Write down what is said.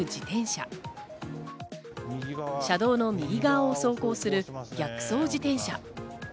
車道の右側を走行する逆走自転車。